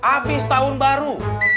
abis tahun baru